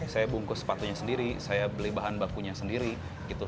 saya bungkus sepatunya sendiri saya beli bahan bakunya sendiri gitu